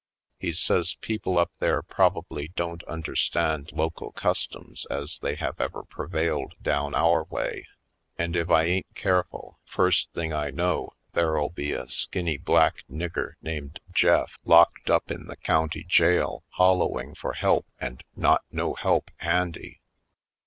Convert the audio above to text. He says people up there probably don't understand local customs as they have ever prevailed down our way, and if I ain't careful, first thing I know there'll be a skinny black nigger named Jeff locked up 26 /. Poindexterj Colored in the county jail hollowing for help and not no help handy.